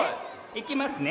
いきますね。